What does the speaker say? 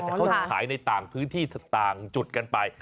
แต่เขาขายในต่างพื้นที่ต่างจุดกันไป